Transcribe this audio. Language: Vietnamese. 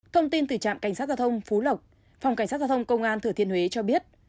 thông tin từ trạm cảnh sát giao thông phú lộc phòng cảnh sát giao thông công an thừa thiên huế cho biết